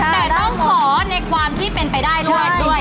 แต่ต้องขอในความที่เป็นไปได้ด้วย